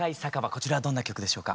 こちらはどんな曲でしょうか？